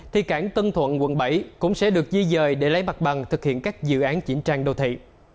thì cảng tân thuận quận bảy cũng sẽ được di dời để lấy mặt bằng thực hiện các dự án chỉnh trang đô thị